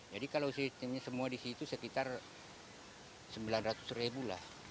jadi kalau sistemnya semua di situ sekitar sembilan ratus ribu lah